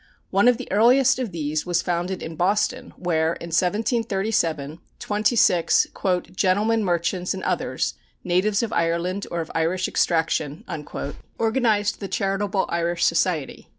One of the earliest of these was founded in Boston, where, in 1737, twenty six "gentlemen merchants and others, natives of Ireland or of Irish extraction", organized the Charitable Irish Society.